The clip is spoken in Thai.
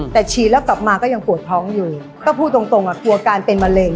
แต่ฉีดแล้วกลับมาก็ยังปวดท้องอยู่ก็พูดตรงกลัวการเป็นมะเร็ง